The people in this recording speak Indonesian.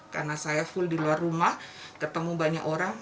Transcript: karena saya full di luar rumah ketemu banyak orang